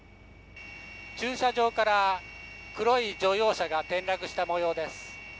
駐車場から黒い乗用車が転倒したもようです。